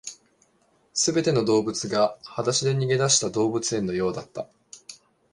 全ての動物が裸足で逃げ出した動物園のようだった